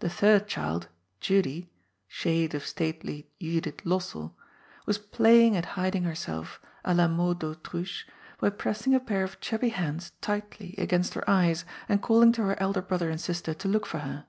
The third child, Judy— shade of stately Judith Lossell !— was playing at hiding herself— 4 la mode d'Autruche— by pressing a pair of chubby hands tightly against her eyes and calling to her elder brother and sister to look for her.